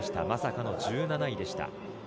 まさかの１７位でした。